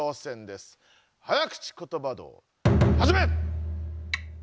早口ことば道はじめ！